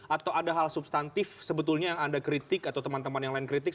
atau ada hal substantif sebetulnya yang anda kritik atau teman teman yang lain kritik